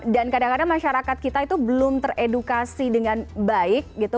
dan kadang kadang masyarakat kita itu belum teredukasi dengan baik gitu